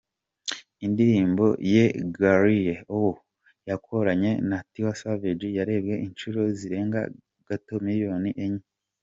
Indirimbo ye Girlie O yakoranye na Tiwa Savage yarebwe inshuro zirenga gato miliyoni enye.